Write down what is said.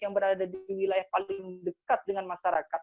yang berada di wilayah paling dekat dengan masyarakat